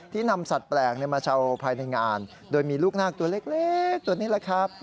นำสัตว์แปลกมาเช่าภายในงานโดยมีลูกนาคตัวเล็กตัวนี้แหละครับ